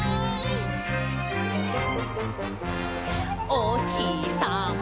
「おひさま